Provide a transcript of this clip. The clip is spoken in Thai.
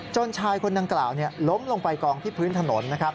จนชายคนทางกล่าวล้มลงไปกลองที่พื้นถนน